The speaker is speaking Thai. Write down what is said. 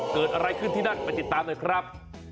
เกิดอะไรขึ้นที่นั่นไปติดตามหน่อยครับ